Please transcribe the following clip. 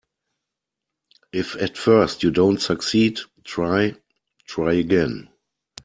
If at first you don't succeed, try, try again.